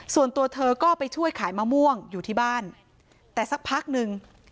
ส่วนตัวเธอก็ไปช่วยขายมะม่วงอยู่ที่บ้านแต่สักพักหนึ่ง